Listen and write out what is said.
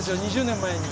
２０年前に。